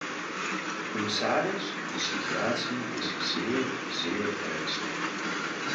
Commissaris, de situatie is zeer, zeer ernstig.